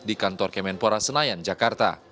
di kantor kemenpora senayan jakarta